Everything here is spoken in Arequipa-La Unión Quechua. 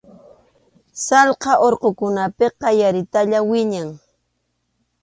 Sallqa urqukunapiqa yaritalla wiñan.